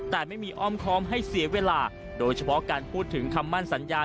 แต่ไม่มีอ้อมคล้อมให้เสียเวลาโดยเฉพาะการพูดถึงคำมั่นสัญญา